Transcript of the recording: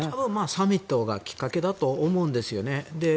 サミットがきっかけだと思うんですよね。